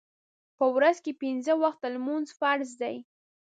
په ورځ کې پینځه وخته لمونځ فرض دی.